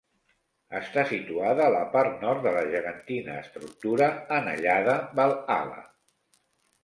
Està situada a la part nord de la gegantina estructura anellada Valhalla.